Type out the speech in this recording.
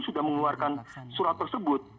sudah mengeluarkan surat tersebut